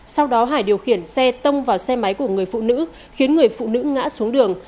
sau đó hải điều khiển xe tông vào xe máy của người phụ nữ khiến người phụ nữ ngã xuống đường